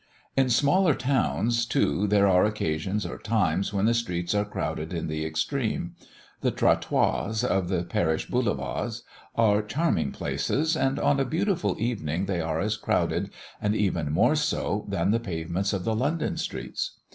In smaller towns, too, there are occasions or times when the streets are crowded in the extreme. The trottoirs of the Paris Boulevards are charming places, and on a beautiful evening they are as crowded, and even more so than the pavements of the London streets.